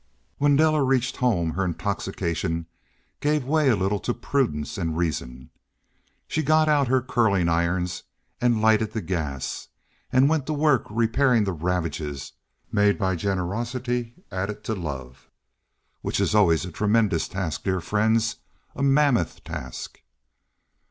When Della reached home her intoxication gave way a little to prudence and reason. She got out her curling irons and lighted the gas and went to work repairing the ravages made by generosity added to love. Which is always a tremendous task, dear friends—a mammoth task.